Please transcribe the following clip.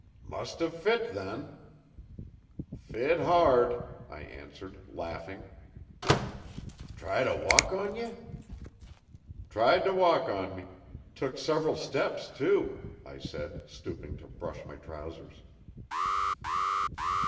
'Must have fit then.' 'Fit hard,' I answered, laughing. 'Try t' walk on ye?' 'Tried t' walk on me. Took several steps too,' I said stooping to brush my trousers.